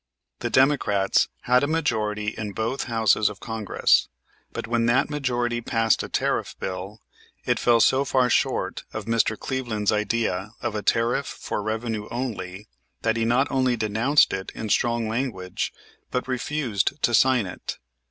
The Democrats had a majority in both Houses of Congress; but when that majority passed a tariff bill, it fell so far short of Mr. Cleveland's idea of a tariff for revenue only that he not only denounced it in strong language, but refused to sign it.